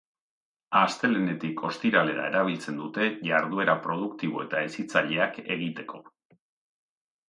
Astelehenetik ostiralera erabiltzen dute, jarduera produktibo eta hezitzaileak egiteko.